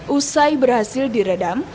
usai berhasil diredam